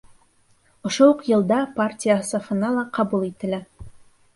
Ошо уҡ йылда партия сафына ла ҡабул ителә.